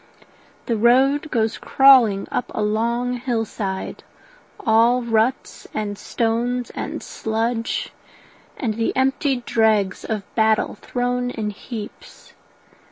The road goes crawling up a long hillside, All ruts and stones and sludge, and the emptied dregs Of battle thrown in heaps.